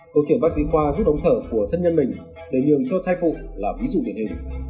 câu chuyện bác sĩ khoa rút ống thở của thân nhân mình để nhường cho thai phụ là ví dụ điển hình